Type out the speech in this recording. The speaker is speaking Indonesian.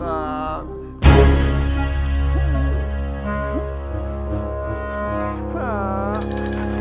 tidak ada bertemuk ketinggalan